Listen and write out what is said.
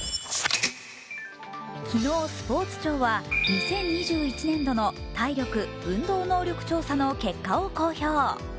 昨日、スポーツ庁は２０２１年度の体力・運動能力調査の結果を公表。